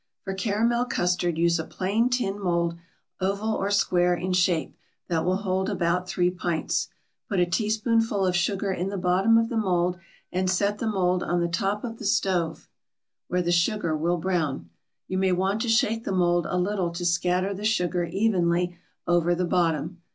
For caramel custard use a plain tin mould, oval or square in shape, that will hold about three pints. Put a teaspoonful of sugar in the bottom of the mould and set the mould on the top of the stove where the sugar will brown. You may want to shake the mould a little to scatter the sugar evenly over the bottom.